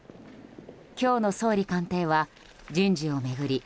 今日の総理官邸は人事を巡り